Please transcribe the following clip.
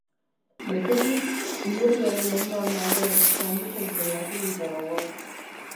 Bestetik, hilerriaren ondoan dagoen San Bixente baseliza dago.